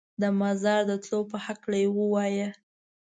د مزار د تلو په هکله یې ووایه.